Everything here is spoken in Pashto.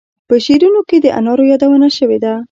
په شعرونو کې د انارو یادونه شوې.